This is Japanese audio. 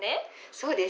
そうです。